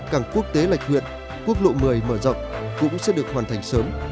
cảng quốc tế lạch huyện quốc lộ một mươi mở rộng cũng sẽ được hoàn thành sớm